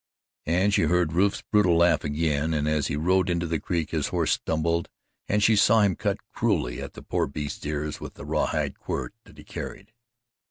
And she heard Rufe's brutal laugh again, and as he rode into the creek his horse stumbled and she saw him cut cruelly at the poor beast's ears with the rawhide quirt that he carried.